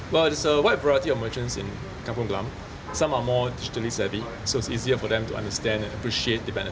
kami adalah pemerintah tradisional yang lebih tradisional